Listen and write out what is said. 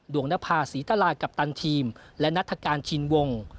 นภาษีตลาดกัปตันทีมและนัฐกาลชินวง